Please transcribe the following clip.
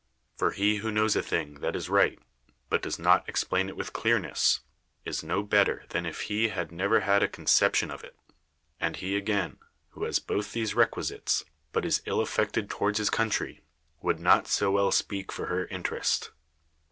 For he who knows a thing that is right, but does not explain it with clearness, is no better than if he had never had a conception of it ; and he, again, who has both these requisites, but is ill affected towards his country, would not so well speak for her interest.